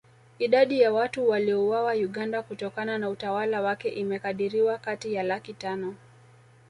Idadi ya watu waliouawa Uganda kutokana na utawala wake imekadiriwa kati ya laki tano